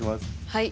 はい。